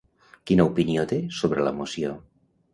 Quina opinió té sobre la moció?